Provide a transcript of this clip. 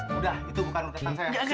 udah itu bukan urusan saya